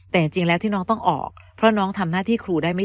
แต่จริงแล้วที่น้องต้องออกเพราะน้องทำหน้าที่ครูได้ไม่